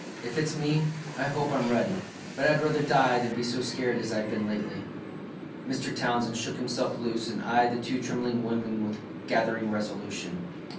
"If it's me, I hope I'm ready; but I'd rather die than be so scared as I've been lately." Mr. Townsend shook himself loose and eyed the two trembling women with gathering resolution.